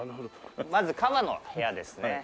まずカバの部屋ですね。